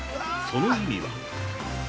その意味は？